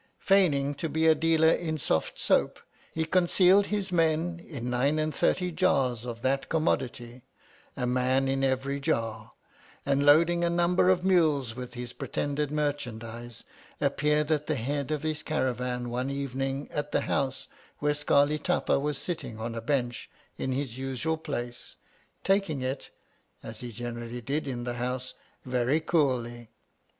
Feigning to be a dealer in soft soap, he concealed his men in nine and thirty jars of that commodity, a man in every jar ; and, loading a number of mules with this pretended merchandise, appeared at the head of his caravan one evening at the House, where Scarli Tapa was sitting on a bench in his usual place, taking it (as he gene rally did in the House) very coolly.